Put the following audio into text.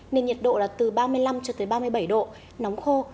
nên nhiệt độ là từ ba mươi năm cho tới ba mươi bảy độ nóng khô